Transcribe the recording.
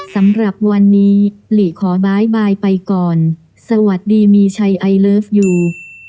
สำหรับวันนี้หลีขอบ๊ายบายไปก่อนสวัสดีมีชัยไอเลิฟยู